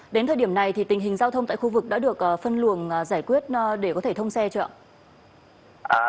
đến thời điểm này thì tình hình giao thông tại khu vực đã được phân luồng giải quyết để có thể thông xe chưa ạ